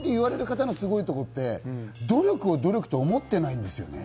天才と言われる方のすごいところって努力を努力と思っていないんですよね。